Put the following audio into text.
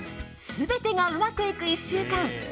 全てがうまくいく１週間。